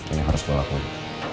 ini harus gue lakuin